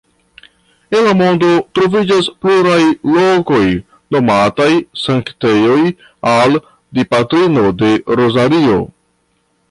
En la mondo troviĝas pluraj lokoj nomataj sanktejoj al Dipatrino de Rozario.